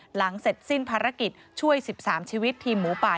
หลังเสร็จสิ้นภารกิจช่วย๑๓ชีวิตทีมหมูป่า